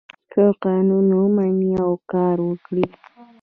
که قانون ومني او کار وکړي.